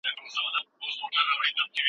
د اسلام په تاریخ کي د عدالت ډېرې بېلګې سته.